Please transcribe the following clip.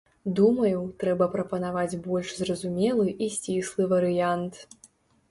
Думаю, трэба прапанаваць больш зразумелы і сціслы варыянт.